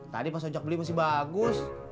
tadi pas ojak beli masih bagus